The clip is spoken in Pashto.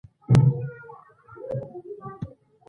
نه کور لرو نه جایداد